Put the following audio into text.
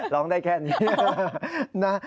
ร้องได้แค่นี้นะ